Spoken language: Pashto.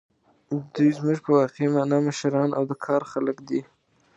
دوی زموږ په واقعي مانا مشران او د کار خلک دي.